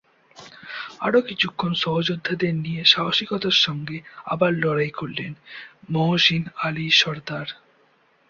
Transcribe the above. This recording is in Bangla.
আরও কিছুক্ষণ সহযোদ্ধাদের নিয়ে সাহসিকতার সঙ্গে আবার লড়াই করলেন মহসীন আলী সরদার।